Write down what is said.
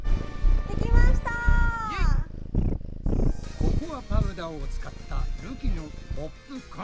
ココアパウダーを使ったるきのポップコーン。